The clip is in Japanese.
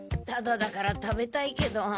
タダだから食べたいけど。